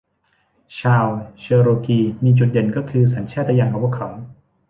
ชาวเชอโรกีมีจุดเด่นก็คือสัญชาตญาณของพวกเขา